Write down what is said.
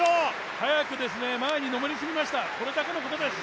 早く前にのめりこみすぎました、それだけのことです。